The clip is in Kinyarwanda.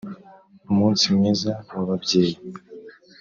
umunsi mwiza w'ababyeyi